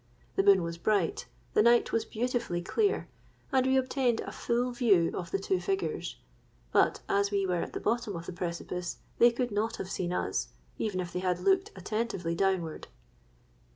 The moon was bright—the night was beautifully clear; and we obtained a full view of the two figures: but as we were at the bottom of the precipice, they could not have seen us, even if they had looked attentively downward.